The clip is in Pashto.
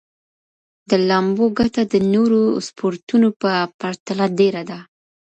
د لامبو ګټه د نورو سپورتونو په پرتله ډېره ده.